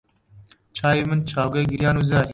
چاوی من چاوگەی گریان و زاری